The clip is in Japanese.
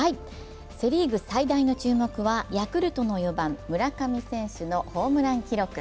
セ・リーグ最大の注目は、ヤクルトの４番・村上選手のホームラン記録。